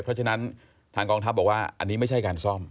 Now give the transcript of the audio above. เพราะฉะนั้นทางกองทัพบอกว่าอันนี้ไม่ใช่การซ่อม